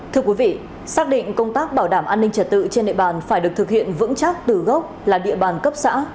thưa quý vị xác định công tác bảo đảm an ninh trật tự trên địa bàn phải được thực hiện vững chắc từ gốc là địa bàn cấp xã